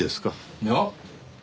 いや。